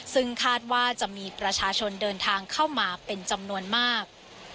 ซึ่งคาดว่าจะมีประชาชนเดินทางเข้ามาเป็นจำนวนมาก